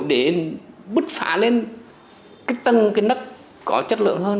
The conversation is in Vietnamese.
để bứt phá lên cái tầng cái nấc có chất lượng hơn